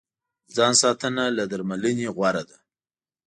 ځان ساتنه له درملنې غوره ده.